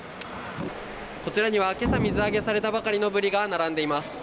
こちらには、けさ水揚げされたばかりのブリが並んでいます。